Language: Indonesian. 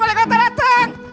wali kota datang